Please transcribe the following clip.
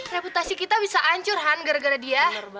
reputasi kita bisa hancur kan gara gara dia